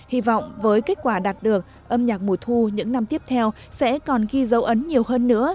hy vọng với kết quả đạt được âm nhạc mùa thu những năm tiếp theo sẽ còn ghi dấu ấn nhiều hơn nữa